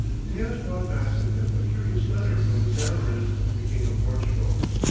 Diaz brought back with him a curious letter from the Zamorin to the King of Portugal.